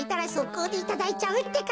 こうでいただいちゃうってか！